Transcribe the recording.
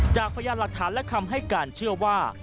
พยานหลักฐานและคำให้การเชื่อว่า